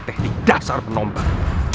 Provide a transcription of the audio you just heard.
teh di dasar menombak